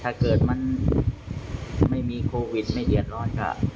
ถ้าเกิดมันไม่มีโควิดไม่เดือดร้อนก็